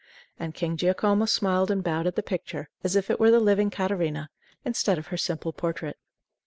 And King Giacomo smiled and bowed at the picture as if it were the living Catarina instead of her simple portrait.